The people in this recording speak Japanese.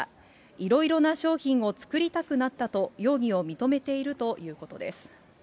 いろいろな商品を作りたくなったと、容疑を認めているということです。